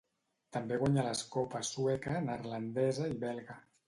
També guanyà les copes sueca, neerlandesa i belga.